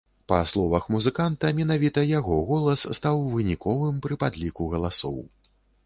Па словах музыканта, менавіта яго голас стаў выніковым пры падліку галасоў.